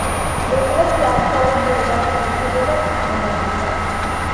ეკლესია არქეოლოგიური გათხრების შედეგად აღმოჩნდა.